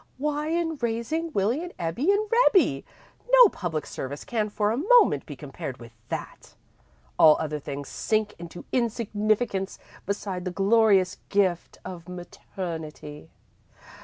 "Why, in raising Willie and Ebbie and Rebbie! No public service can for a moment be compared with that! All other things sink into insignificance beside the glorious gift of maternity.